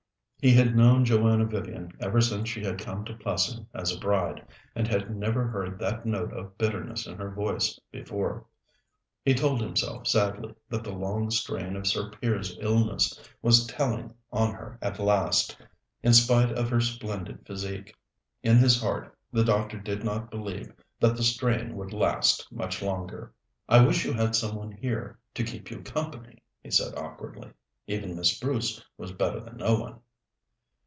He had known Joanna Vivian ever since she had come to Plessing as a bride, and had never heard that note of bitterness in her voice before. He told himself sadly that the long strain of Sir Piers's illness was telling on her at last, in spite of her splendid physique. In his heart the doctor did not believe that the strain would last much longer. "I wish you had some one here to keep you company," he said awkwardly. "Even Miss Bruce was better than no one."